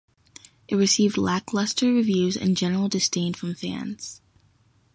It received lackluster reviews and general disdain from fans.